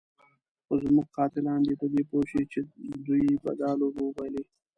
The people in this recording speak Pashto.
خو زموږ قاتلان دې په دې پوه شي چې دوی به دا لوبه وبایلي.